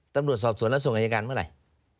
ตำรวจสอบสวนแล้วส่งอายการเมื่อไหร่